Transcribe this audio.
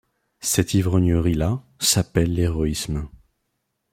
Cette ivrognerie-là s’appelle l’héroïsme.